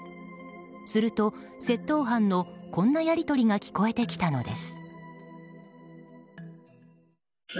すると、窃盗犯のこんなやり取りが聞こえてきたのです。